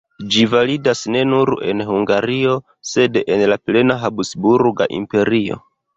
Ĝi validis ne nur en Hungario, sed en la plena Habsburga Imperio.